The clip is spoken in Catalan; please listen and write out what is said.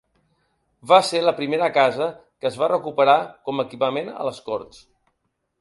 Va ser la primera casa que es va recuperar com a equipament a les Corts.